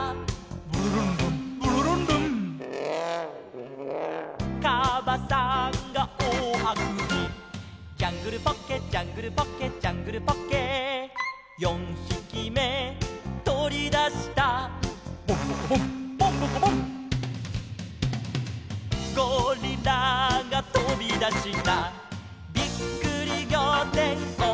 「ブルルンルンブルルンルン」「かばさんがおおあくび」「ジャングルポッケジャングルポッケ」「ジャングルポッケ」「四ひきめとり出した」「ボンボコボンボンボコボン」「ゴリラがとび出した」「びっくりぎょうてんおおさわぎ」